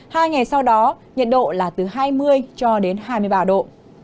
hai ngày sau đó nhiệt độ là từ hai mươi cho đến hai mươi ba độ